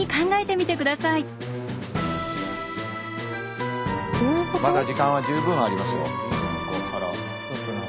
まだ時間は十分ありますよ。